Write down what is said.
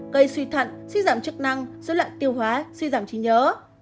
gây suy thận suy giảm chức năng dối loạn tiêu hóa suy giảm trí nhớ